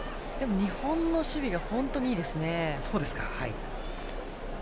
日本の守備が本当にいいですね。